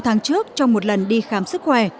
sáu tháng trước trong một lần đi khám sức khỏe